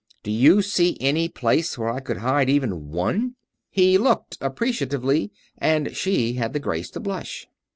Do you see any place where I could hide even one?" He looked, appreciatively, and she had the grace to blush.